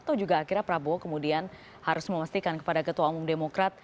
atau juga akhirnya prabowo kemudian harus memastikan kepada ketua umum demokrat